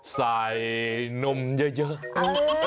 ใส่นมเยอะ